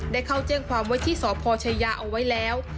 ได้เข้าเจ้งความว่าที่สอบพอชัยยาเอาไว้แล้ว